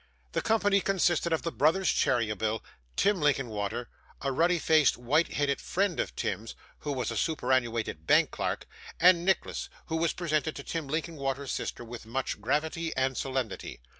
The company consisted of the brothers Cheeryble, Tim Linkinwater, a ruddy faced white headed friend of Tim's (who was a superannuated bank clerk), and Nicholas, who was presented to Tim Linkinwater's sister with much gravity and solemnity.